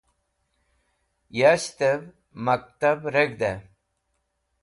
Yashtev Maktab Reg̃hde